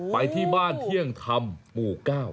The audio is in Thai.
ไปที่บ้านเที่ยงธรรมหมู่๙